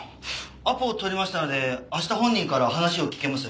アポを取りましたので明日本人から話を聞けます。